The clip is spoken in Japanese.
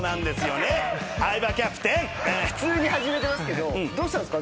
普通に始めてますけどどうしたんすか？